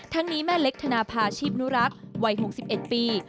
นี้แม่เล็กธนภาชีพนุรักษ์วัย๖๑ปี